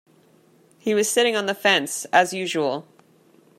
He was sitting on the fence, as usual.